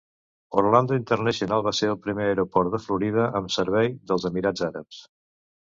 Orlando International va ser el primer aeroport de Florida amb servei dels Emirats Àrabs.